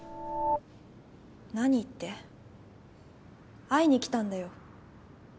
何って会いに来たんだよ。